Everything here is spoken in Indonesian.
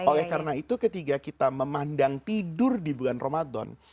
oleh karena itu ketika kita memandang tidur di bulan ramadan